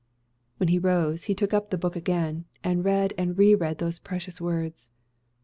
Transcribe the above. When he rose, he took up the book again, and read and reread those precious words.